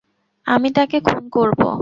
আমি তোকে খুন করব!